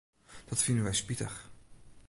Dat fine wy spitich.